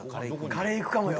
カレーいくかもよ。